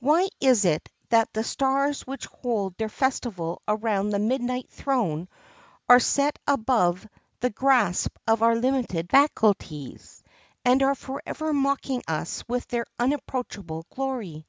Why is it that the stars which hold their festival around the midnight throne are set above the grasp of our limited faculties, and are forever mocking us with their unapproachable glory?